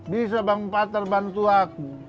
bisa bang pater bantu aku